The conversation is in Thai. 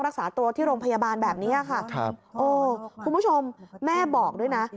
คุณผู้ชมแม่บอกด้วยนะ